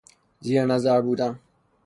زیر نظر بودن